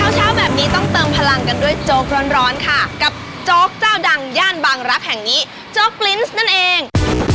เช้าแบบนี้ต้องเติมพลังกันด้วยโจ๊กร้อนค่ะกับโจ๊กเจ้าดังย่านบางรักแห่งนี้โจ๊กกลิ้นซ์นั่นเอง